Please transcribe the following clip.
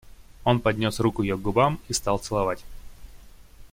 Он поднес руку ее к губам и стал целовать.